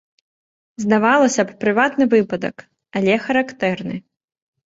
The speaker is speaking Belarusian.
Здавалася б, прыватны выпадак, але характэрны.